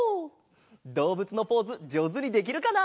どうぶつのポーズじょうずにできるかな？